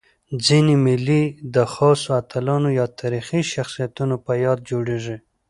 ځيني مېلې د خاصو اتلانو یا تاریخي شخصیتونو په یاد جوړيږي.